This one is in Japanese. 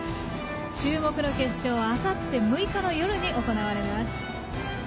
注目の決勝はあさって６日の夜に行われます。